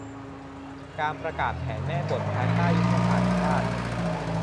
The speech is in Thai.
การประกาศแผนแม่บทภายใต้ ยุทธศาสตร์ชาติ